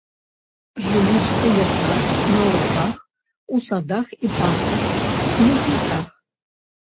Жывуць у лясах, на лугах, у садах і парках, хмызняках.